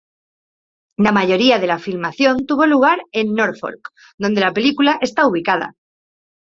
La mayoría de la filmación tuvo lugar en Norfolk donde la película está ubicada.